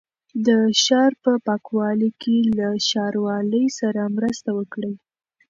د ښار په پاکوالي کې له ښاروالۍ سره مرسته وکړئ.